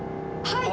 はい！